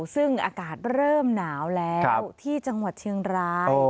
ซึ่งอากาศเริ่มหนาวแล้วที่จังหวัดเชียงราย